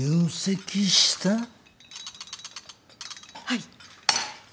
はい。